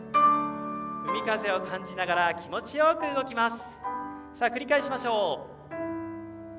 海風を感じながら気持ちよく動きます。